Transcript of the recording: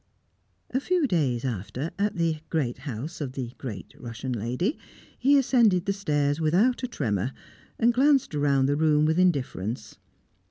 A few days after, at the great house of the great Russian lady, he ascended the stairs without a tremor, glanced round the room with indifference.